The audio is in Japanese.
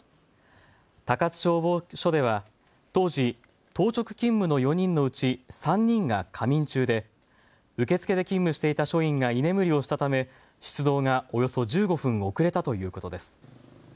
高津消防署では当時、当直勤務の４人のうち３人が仮眠中で受付で勤務していた署員が居眠りをしたため出動がおよそ１５分遅れたということです。